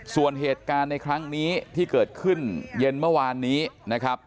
ส่วนเหตุการณ์ในครั้งนี้ที่เกิดขึ้นเย็นเมื่อวานนี้นะครับ